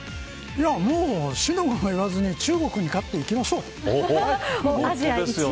もう、四の五の言わずに中国に勝って、いきましょう。